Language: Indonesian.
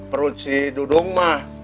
peruci dudung mah